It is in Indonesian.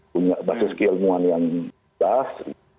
punya basis keilmuan yang jelas